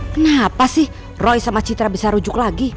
kenapa sih roy sama citra bisa rujuk lagi